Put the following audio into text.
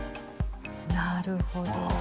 なるほど。